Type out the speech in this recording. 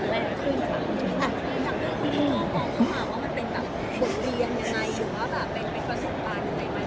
และโครงการของเราแข็งแรงขึ้นจากนี้